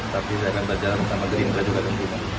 tapi saya akan berjalan sama gerindra juga tentunya